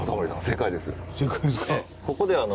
正解です。